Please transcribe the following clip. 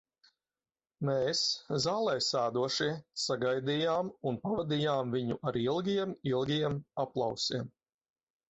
Mēs, zālē sēdošie, sagaidījām un pavadījām viņu ar ilgiem, ilgiem aplausiem.